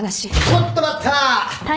・・ちょっと待った！